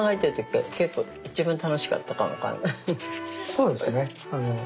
そうですね。